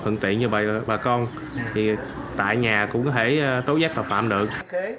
hận tiện như vậy là bà con tại nhà cũng có thể tấu giác tội phạm được